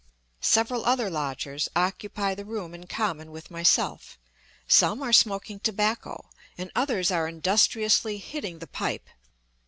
Several other lodgers occupy the room in common with myself; some are smoking tobacco, and others are industriously "hitting the pipe."